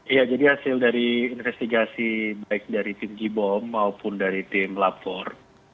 iya jadi hasil dari investigasi baik dari tim jibom maupun dari tim lapor